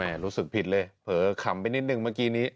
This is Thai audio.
รู้สึกผิดเลยเผลอขำไปนิดนึงเมื่อกี้นี้